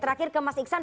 terakhir ke mas iksan